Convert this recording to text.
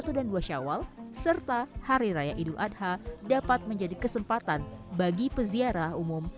pembangunan pusawal serta hari raya idul adha dapat menjadi kesempatan bagi peziarah umum